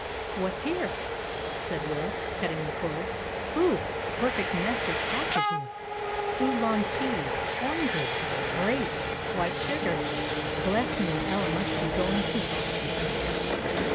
"What's here?" said Will, cutting the cord. "Whew! a perfect nest of packages! oolong tea! oranges! grapes! white sugar! Bless me, Ella must be going to housekeeping!"